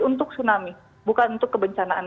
untuk tsunami bukan untuk kebencanaan